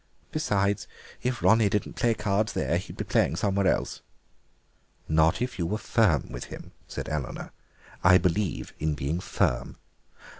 Besides, if Ronnie didn't play cards there he'd be playing somewhere else." "Not if you were firm with him," said Eleanor "I believe in being firm."